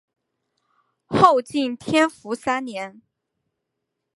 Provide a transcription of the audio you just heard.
后晋天福三年。